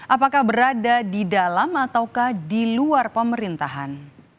apakah berada di dalam ataukah di luar pemerintahan